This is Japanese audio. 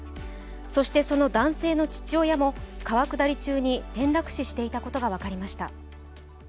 そして、その男性の父親も川下り中に転落死していたことが分かりました。